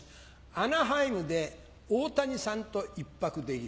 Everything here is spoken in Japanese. アナハイムで大谷さんと１泊できる。